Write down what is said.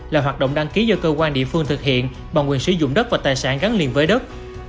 là hoạt động đăng ký do cơ quan địa phương thực hiện bằng quyền sử dụng đất và tài sản gắn liền với đất